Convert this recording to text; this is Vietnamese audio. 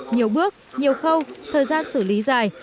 nhiều bước nhiều khâu thời gian xử lý dài